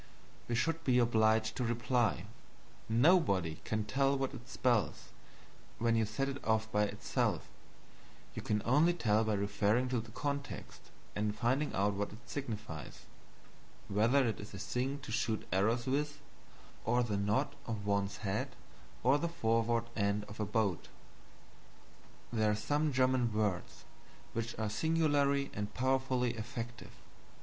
we should be obliged to reply, "Nobody can tell what it spells when you set if off by itself; you can only tell by referring to the context and finding out what it signifies whether it is a thing to shoot arrows with, or a nod of one's head, or the forward end of a boat." There are some German words which are singularly and powerfully effective.